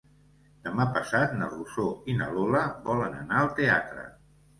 Demà passat na Rosó i na Lola volen anar al teatre.